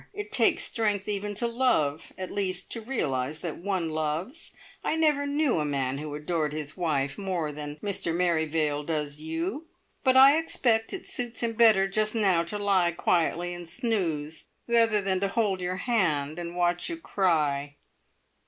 It takes strength even to love at least, to realise that one loves. I never knew a man who adored his wife more than Mr Merrivale does you; but I expect it suits him better just now to lie quietly and snooze rather than to hold your hand and watch you cry."